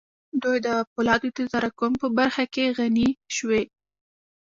دوی د پولادو د تراکم په برخه کې غني شوې